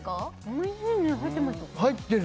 おいしいね入ってます入ってる！